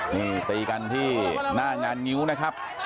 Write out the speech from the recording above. นี่ตีกันที่หน้างานงิ้วนะครับ